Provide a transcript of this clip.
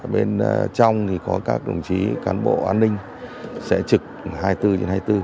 bên trong thì có các đồng chí cán bộ an ninh sẽ trực hai mươi bốn trên hai mươi bốn